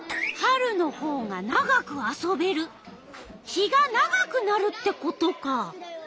日が長くなるってことか。